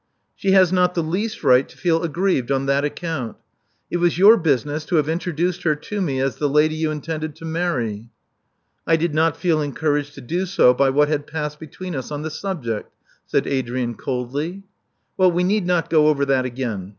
She has not the least right to feel aggrieved on that account. It was your business to have introduced her to me as the lady you intended to marry." I did not feel encouraged to do so by what had passed between us on the subject," said Adrian, coldly. Well we need not go over that again.